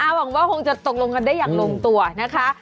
หวังว่าคงจะตกลงกันได้อย่างลงตัวนะคะ